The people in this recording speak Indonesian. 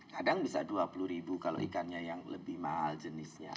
kadang bisa dua puluh ribu kalau ikannya yang lebih mahal jenisnya